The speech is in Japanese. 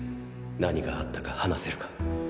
何があったか話せるか？